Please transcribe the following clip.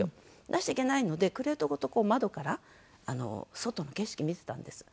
出しちゃいけないのでクレートごとこう窓から外の景色見てたんです。